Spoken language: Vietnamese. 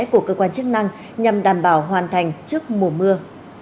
của cơ quan chức năng nhằm đảm bảo hoàn thành trước mùa mưa